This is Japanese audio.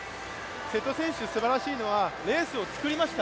瀬戸選手すばらしいのはレースを作りました。